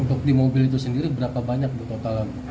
untuk di mobil itu sendiri berapa banyak bu total